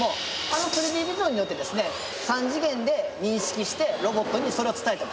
あの３Ｄビジョンによってですね三次元で認識してロボットにそれを伝えてます。